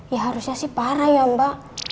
ya harusnya sih parah ya mbak